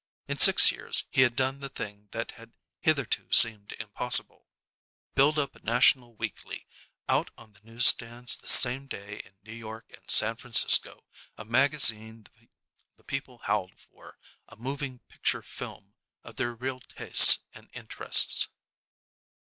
In six years he had done the thing that had hitherto seemed impossible: built up a national weekly, out on the news stands the same day in New York and San Francisco; a magazine the people howled for, a moving picture film of their real tastes and interests.